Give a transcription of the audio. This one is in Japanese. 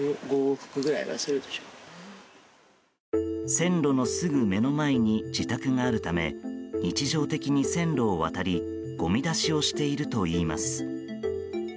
線路のすぐ目の前に自宅があるため日常的に線路を渡りごみ出しをしているといいます。